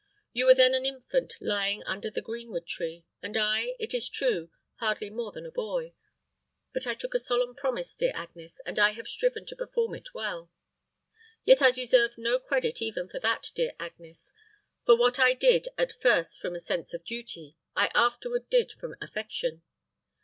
You were then an infant lying under the greenwood tree, and I, it is true, hardly more than a boy; but I took a solemn promise, dear Agnes, and I have striven to perform it well. Yet I deserve no credit even for that dear Agnes; for what I did at first from a sense of duty, I afterward did from affection.